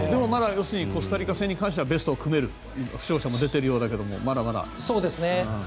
でもまだ要するにコスタリカ戦に関してはベストを組める負傷者がいるだろうけど。